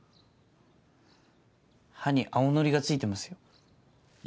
歯に青のりが付いてますよ。